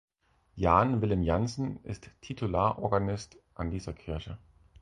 Jan Willem Jansen ist Titularorganist an dieser Kirche.